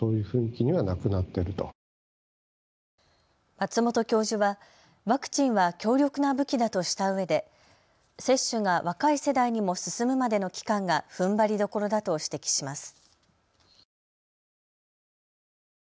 松本教授はワクチンは強力な武器だとしたうえで接種が若い世代にも進むまでの期間がふんばりどころだと指摘します。